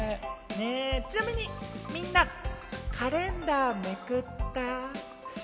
ちなみにみんなカレンダーめくった？